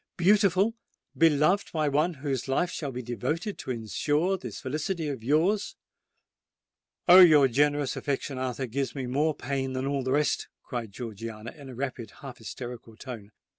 Beautiful—beloved by one whose life shall be devoted to ensure the felicity of yours——" "Oh! your generous affection, Arthur, gives me more pain than all the rest!" cried Georgiana, in a rapid—half hysterical tone.